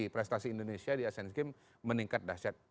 prestasi indonesia di asean games meningkat dahsyat